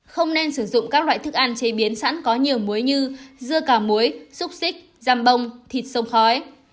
không nên sử dụng các loại thức ăn chế biến sẵn có nhiều muối như dưa cà muối xúc xích dam bông thịt sông khói